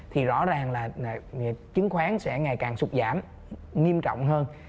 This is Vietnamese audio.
thì rõ ràng là chứng khoán sẽ ngày càng sụt giảm nghiêm trọng hơn